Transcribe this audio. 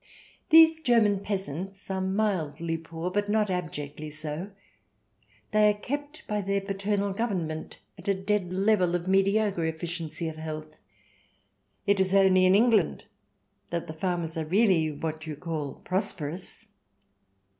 These German peasants are mildly poor, not abjectly so. They are kept by their paternal Government at a dead level of mediocre efficiency of health. It is only in England that the farmers are really what you call prosperous.